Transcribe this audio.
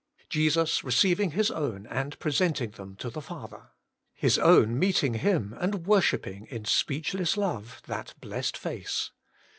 Jesus receiving His own and presenting them to the Father. His own meeting Him and worshipping in speechless love that blessed face.